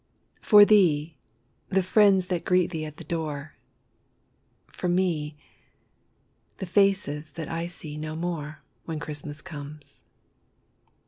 For thee, the friends that greet thee at the door, For me, the faces I shall see no more, When Christmas comes.